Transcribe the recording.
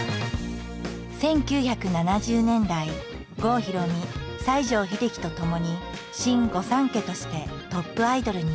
１９７０年代郷ひろみ西城秀樹とともに「新御三家」としてトップアイドルに。